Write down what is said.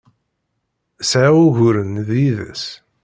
Sɛiɣ uguren d yiḍes.